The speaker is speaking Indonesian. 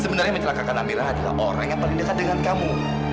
sebenarnya yang mencelakkan amira adalah orang yang paling dekat dengan kamu